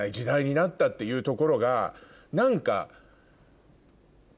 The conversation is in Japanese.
なったっていうところが何か。